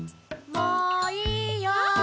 ・もういいよ。